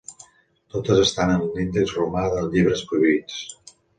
Totes estan en l'Índex romà de llibres prohibits.